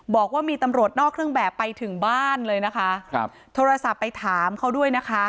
บอกว่ามีตำรวจนอกเครื่องแบบไปถึงบ้านเลยนะคะครับโทรศัพท์ไปถามเขาด้วยนะคะ